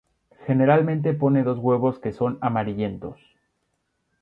Generalmente pone dos huevos que son amarillentos.